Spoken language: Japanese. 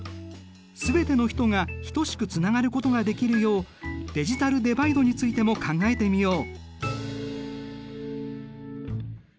全ての人がひとしくつながることができるようデジタルデバイドについても考えてみよう。